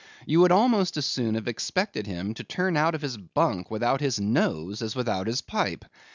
You would almost as soon have expected him to turn out of his bunk without his nose as without his pipe.